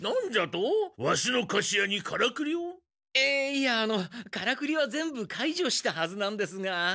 いやあのカラクリは全部かいじょしたはずなんですが。